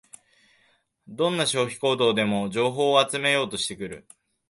どんな消費行動でも情報を集めようとしてくる